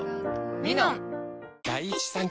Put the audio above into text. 「ミノン」